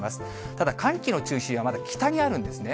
ただ、寒気の中心はまだ北にあるんですね。